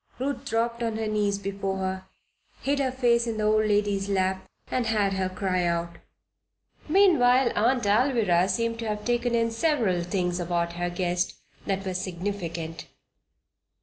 Ruth dropped on her knees before her, hid her face in the old lady's lap, and had her cry out. Meanwhile Aunt Alvirah seemed to have taken in several things about her guest that were significant.